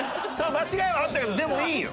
間違いはあったけどでもいいよ。